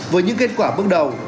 với những kết quả bước đầu